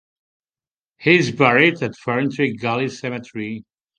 He is buried at Ferntree Gully cemetery.